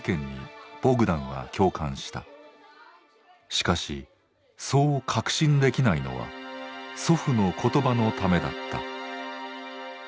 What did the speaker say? しかしそう確信できないのは祖父の言葉のためだった。